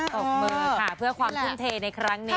ขอบคุณค่ะเพื่อความทุ่มเทลายังไง